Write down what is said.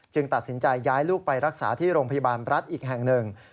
ตัดสินใจย้ายลูกไปรักษาที่โรงพยาบาลรัฐอีกแห่งหนึ่ง